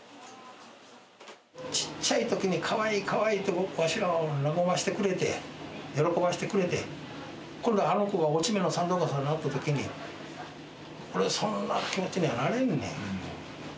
ちっちゃいときにかわいい、かわいいと、わしらを和ませてくれて、喜ばせてくれて、今度はあの子が落ち目のときになったときに、俺はそんな気持ちにはなれへんねん。